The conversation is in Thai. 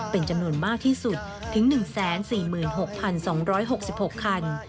เป็นจำนวนมากที่สุดถึง๑๔๖๒๖๖คัน